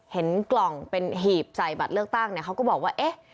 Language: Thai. เห็นกล่องเป็นหีบใส่บัตรเลือกตั้งเนี่ยเขาก็บอกว่าเอ๊ะ